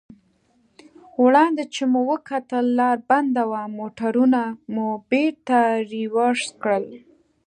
وړاندې چې مو وکتل لار بنده وه، موټرونه مو بېرته رېورس کړل.